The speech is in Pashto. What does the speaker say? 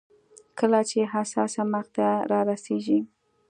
کله چې حساسه مقطعه رارسېږي.